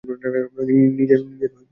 নিজের ভালোর জন্য।